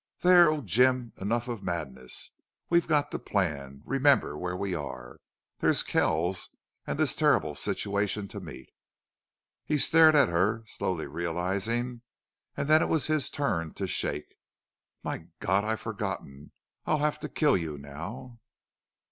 "There.... Oh, Jim!... Enough of madness. We've got to plan. Remember where we are. There's Kells, and this terrible situation to meet!" He stared at her, slowly realizing, and then it was his turn to shake. "My God! I'd forgotten. I'll HAVE to kill you now!"